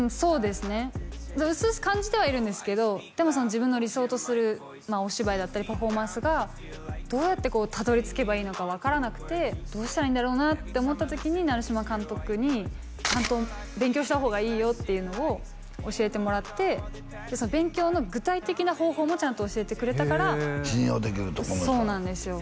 自分の理想とするお芝居だったりパフォーマンスがどうやってたどり着けばいいのか分からなくてどうしたらいいんだろうなって思った時に成島監督にちゃんと勉強した方がいいよっていうのを教えてもらってその勉強の具体的な方法もちゃんと教えてくれたから信用できるとこの人はそうなんですよ